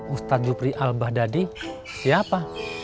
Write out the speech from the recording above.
ustadz jupri al bahdadi siapa